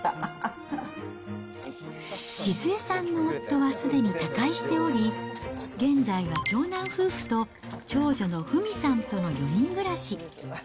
静恵さんの夫はすでに他界しており、現在は長男夫婦と長女の富美さんとの４人暮らし。